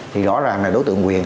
thì rõ ràng là đối tượng quyền